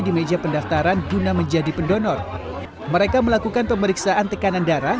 di meja pendaftaran guna menjadi pendonor mereka melakukan pemeriksaan tekanan darah